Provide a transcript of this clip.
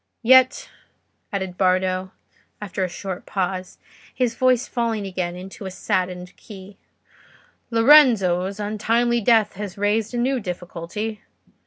... Yet," added Bardo, after a short pause, his voice falling again into a saddened key, "Lorenzo's untimely death has raised a new difficulty.